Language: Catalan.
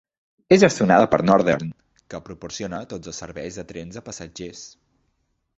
És gestionada per Northern, que proporciona tots els serveis de trens de passatgers.